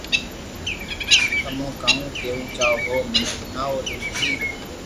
تمو ڪاو ڪيوُ چاھو ھون مني ھڻاو تو سھي